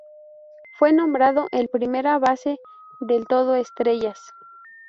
Fue nombrado el primera base del todo estrellas.